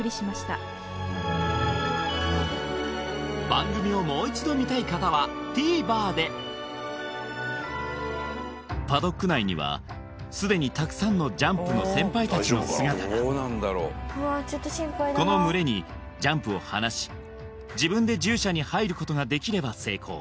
ジャンプ頑張れああ来たジャンプパドック内にはすでにたくさんのジャンプの先輩たちの姿がこの群れにジャンプを放し自分で獣舎に入ることができれば成功